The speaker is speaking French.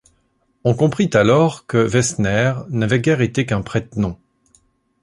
On comprit alors que Waessenaer n'avait guère été qu'un prête-nom.